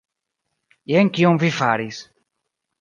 Jen kion vi faris.